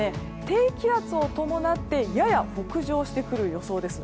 低気圧を伴ってやや北上してくる予想です。